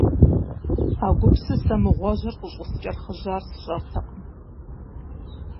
А гупсысэ мыгъуэжьыр къыщӀыскӀэрыхъыжьар сщӀэртэкъым.